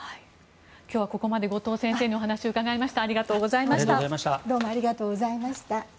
今日はここまで後藤先生にお話を伺いました。